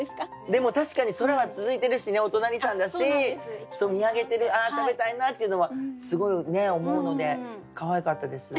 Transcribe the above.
でも確かに空は続いてるしねお隣さんだし見上げてる「食べたいな」っていうのはすごい思うのでかわいかったです。